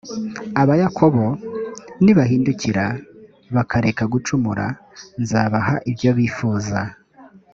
abayakobo nibahindukira bakareka gucumura, nzabaha ibyo bifuza